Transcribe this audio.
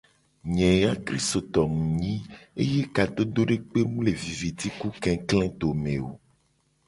Nye ya kristoto mu nyi eye kadodo dekpe mu le viviti ku kekle dome o.